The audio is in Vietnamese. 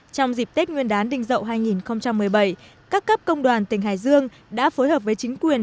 trong dịp tết nguyên đán đình dậu hai nghìn một mươi bảy các cấp công đoàn tỉnh hải dương đã phối hợp với chính quyền